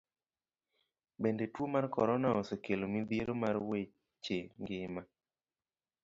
Bende, tuo mar korona osekelo midhiero mar weche ngima.